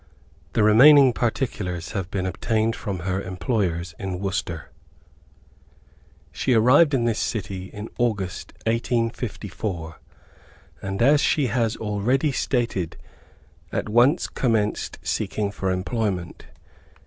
The remaining particulars have been obtained from her employers in Worcester. She arrived in this city August, 1854, and, as she has already stated, at once commenced seeking for employment.